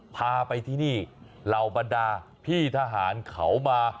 พาไปที่นี่เหล่าบรรดาพี่ทหารเขามา